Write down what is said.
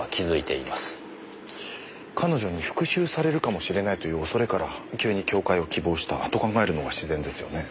彼女に復讐されるかもしれないという恐れから急に教誨を希望したと考えるのが自然ですよね。